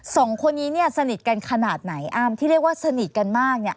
สองคนนี้เนี่ยสนิทกันขนาดไหนอามที่เรียกว่าสนิทกันมากเนี่ย